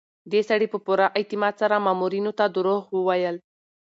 دې سړي په پوره اعتماد سره مامورینو ته دروغ وویل.